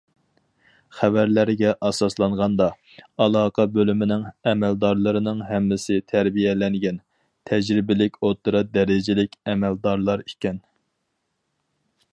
خەۋەرلەرگە ئاساسلانغاندا، ئالاقە بۆلۈمىنىڭ ئەمەلدارلىرىنىڭ ھەممىسى تەربىيەلەنگەن، تەجرىبىلىك ئوتتۇرا دەرىجىلىك ئەمەلدارلار ئىكەن.